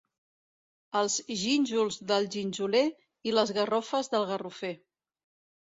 Els gínjols del ginjoler i les garrofes del garrofer.